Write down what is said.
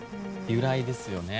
由来ですよね。